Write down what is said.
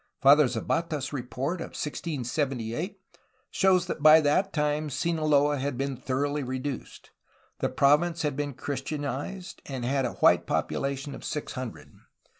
Father Zapata's report of 1678 shows that by that time Sinaloa had been thoroughly reduced. The province had been Christianized, and had a white popula tion of six hundred.